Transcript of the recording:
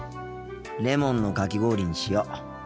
レモンのかき氷にしよう。